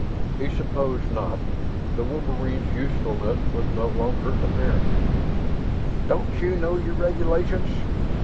He supposed not; the wolverines' usefulness was no longer apparent. "Don't you know your regulations?"